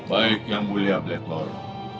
baik yang mulia black bor